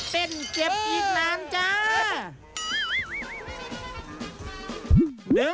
เป็นเจ็บอีกนานจ้า